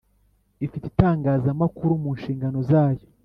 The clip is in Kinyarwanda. Ifite itangazamakuru mu nshingano zayo